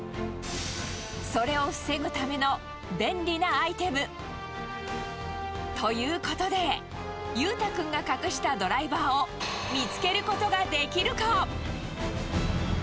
それを防ぐための便利なアイテム。ということで、裕太君が隠したドライバーを、見つけることができるか。